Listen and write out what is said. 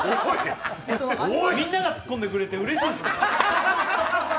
みんなが突っ込んでくれてうれしいっすね。